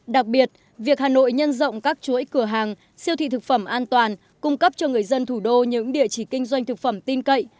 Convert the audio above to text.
đặc biệt việc hà nội nhân rộng các chuỗi cửa hàng siêu thị thực phẩm an toàn cung cấp cho người dân thủ đô những địa chỉ kinh doanh thực phẩm tin cậy